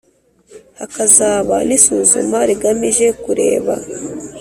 hakazaba n’isuzuma rigamije kureba